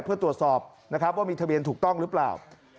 เพื่อตรวจสอบนะครับว่ามีทะเบียนถูกต้องหรือเปล่า